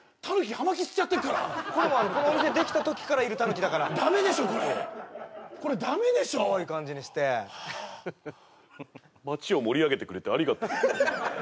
葉巻吸っちゃってっからこれはこのお店できた時からいるたぬきだからダメでしょこれこれダメでしょかわいい感じにして街を盛り上げてくれてありがと